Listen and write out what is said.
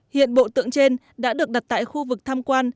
hiện bộ tượng trên đã được đặt tại khu vực tham quan